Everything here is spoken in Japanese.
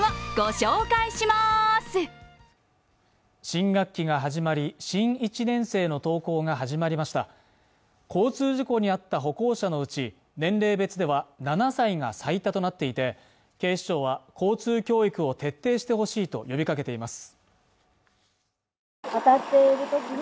新学期が始まり新一年生の登校が始まりました交通事故に遭った歩行者のうち年齢別では７歳が最多となっていて警視庁は交通教育を徹底してほしいと呼びかけています